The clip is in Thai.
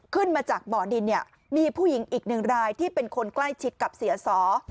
ขึ้นมาจากบ่อดินเนี่ยมีผู้หญิงอีกหนึ่งรายที่เป็นคนใกล้ชิดกับเสียสอ